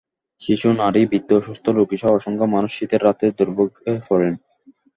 শিশু, নারী, বৃদ্ধ, অসুস্থ রোগীসহ অসংখ্য মানুষ শীতের রাতে দুর্ভোগে পড়েন।